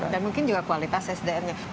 dan mungkin juga kualitas sdm nya